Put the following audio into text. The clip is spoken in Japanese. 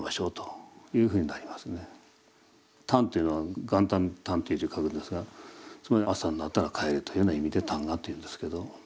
「旦」というのは元旦の旦っていう字を書くんですがつまり朝になったら帰れというような意味で「旦過」というんですけど１週間ですね。